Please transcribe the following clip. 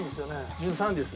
１３です。